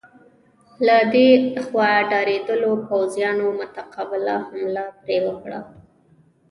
له دې خوا ډارېدلو پوځیانو متقابله حمله پرې وکړه.